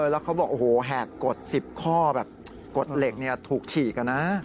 แล้วเขาบอกโอ้โหแหกกฎ๑๐ข้อแบบกฎเหล็กถูกฉีกนะ